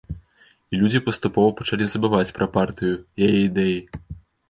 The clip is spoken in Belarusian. І людзі паступова пачалі забываць пра партыю, яе ідэі.